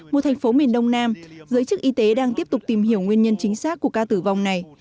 một thành phố miền đông nam giới chức y tế đang tiếp tục tìm hiểu nguyên nhân chính xác của ca tử vong này